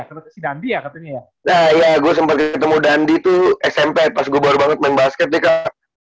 nah iya gue sempet ketemu dandy tuh smp pas gue baru banget main basket deh kak